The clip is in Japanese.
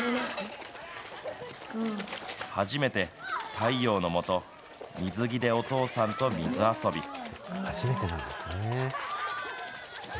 初めて太陽のもと、水着でお父さんと水遊び。